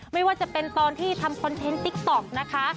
ไม่ว่าจะเป็นตอนที่ทำคอนเทนต์ติ๊กต๊อกนะคะ